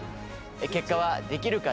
結果はできるか？